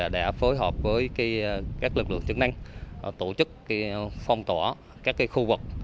để phối hợp với các lực lượng chứng năng tổ chức phong tỏa các khu vực